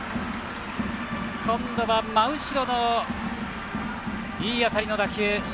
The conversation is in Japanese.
今度は真後ろもいい当たりの打球。